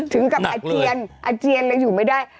ถึงกับอาเจียนอาเจียนแล้วอยู่ไม่ได้